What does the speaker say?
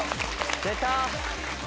出た！